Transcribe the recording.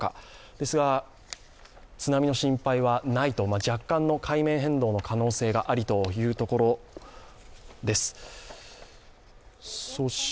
ですが、津波の心配はない、若干の海面変動の可能性があるというところです。